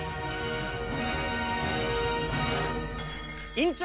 院長！